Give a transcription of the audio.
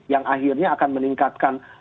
yang akhirnya akan meningkatkan